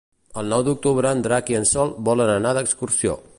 El nou d'octubre en Drac i en Sol volen anar d'excursió.